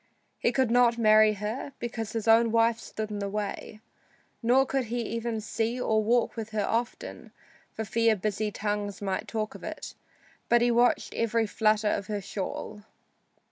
He could not marry her, because his own wife stood in the way, nor could he even see or walk with her often, for fear busy tongues might talk of it, but he watched every flutter of her shawl.